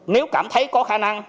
nếu cảm thấy có khả năng